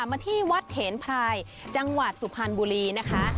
มาที่วัดเถนพรายจังหวัดสุพรรณบุรีนะคะ